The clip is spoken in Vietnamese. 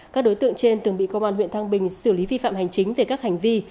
các đối tượng trên từng bị công an huyện thăng bình xử lý vi phạm hành chính về các hành vi